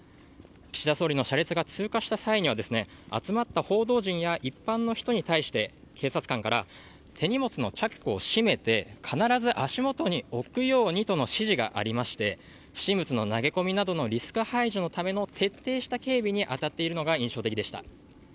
岸田総理の車列が通過した際には集まった報道陣や一般の人に対して警察官から手荷物のチャックを閉めて必ず足元に置くようにとの指示がありまして不審物の投げ込みなどのリスク排除のための徹底した警備に当たっているのが印象的でした。